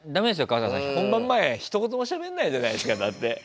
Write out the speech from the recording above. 春日さん本番前ひと言もしゃべんないじゃないですかだって。